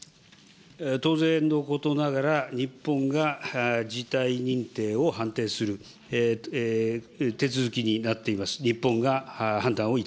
当然のことながら、日本が事態認定を判定する手続きになっています。